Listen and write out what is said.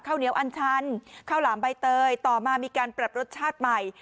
เหนียวอันชันข้าวหลามใบเตยต่อมามีการปรับรสชาติใหม่